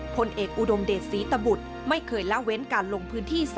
พลเอกอุดมเดชศรีตบุตรไม่เคยละเว้นการลงพื้นที่